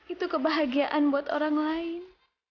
itu kebahagiaan buat orang lain